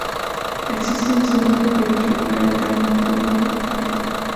Existe un segundo prefijo para el kana "w" medio.